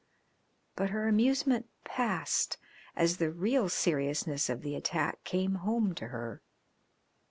But her amusement passed as the real seriousness of the attack came home to her.